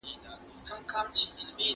حکومت د بهرنیو پانګوالو شتمني نه مصادره کوي.